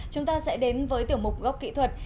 chúng ta sẽ đến với tiểu mục gốc kỹ thuật